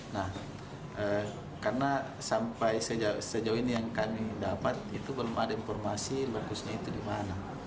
nah karena sampai sejauh ini yang kami dapat itu belum ada informasi lupusnya itu di mana